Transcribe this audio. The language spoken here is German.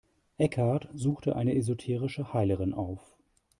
Eckhart suchte eine esoterische Heilerin auf.